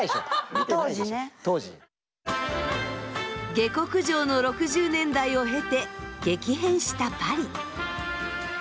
下克上の６０年代を経て激変したパリ。